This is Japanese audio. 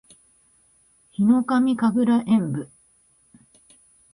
ヒノカミ神楽円舞（ひのかみかぐらえんぶ）